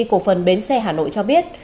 cổ phần bến xe hà nội cho biết